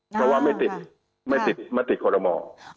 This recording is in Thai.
เพราะว่าไม่ติดไม่ติดมาติดคอลโลมอร์